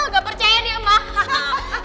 gak percaya nih emang